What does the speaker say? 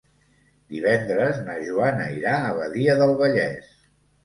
Divendres na Joana irà a Badia del Vallès.